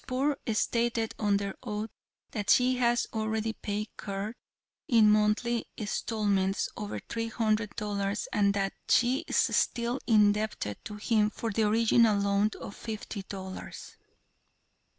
Poor stated under oath that she has already paid Curr, in monthly installments, over three hundred dollars and that she is still indebted to him for the original loan of fifty dollars."